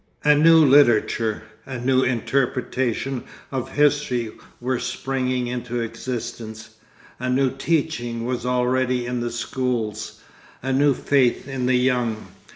A new literature, a new interpretation of history were springing into existence, a new teaching was already in the schools, a new faith in the young.